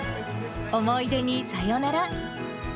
思い出にさよなら。